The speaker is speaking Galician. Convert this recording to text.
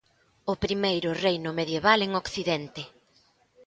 'O primeiro reino medieval en Occidente'.